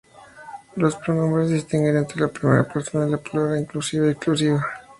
Los pronombres distinguen entre la primera persona del plural inclusiva y exclusiva.